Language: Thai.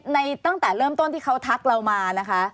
ตั้งแต่เริ่มต้นที่เขาทักเรามานะคะ